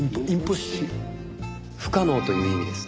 「不可能」という意味です。